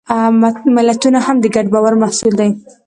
ملتونه هم د ګډ باور محصول دي.